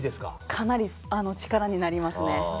かなり力になりますね。